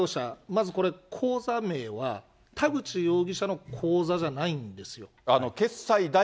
まずこれ、口座名は田口容疑者の口座じゃないんですよ。